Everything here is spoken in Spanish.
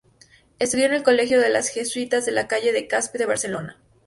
Estudió en el colegio de los jesuitas de la calle de Caspe de Barcelona.